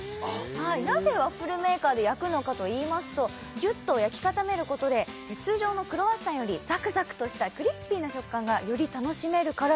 なぜワッフルメーカーで焼くのかといいますとぎゅっと焼き固めることで通常のクロワッサンよりザクザクとしたクリスピーな食感がより楽しめるから